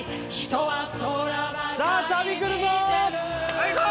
はいいこう！